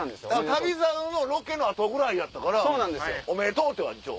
『旅猿』ロケの後ぐらいやったから「おめでとう！」とは一応。